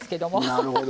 なるほど。